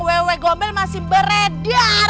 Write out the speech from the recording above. ww gombel masih beredar